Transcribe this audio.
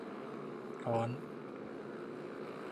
ร้อน